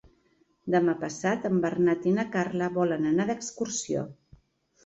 Demà passat en Bernat i na Carla volen anar d'excursió.